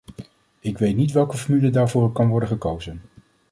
Ik weet niet welke formule daarvoor kan worden gekozen.